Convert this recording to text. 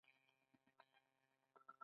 پانګوال ترڅو ګټه ونه ویني کار نه کوي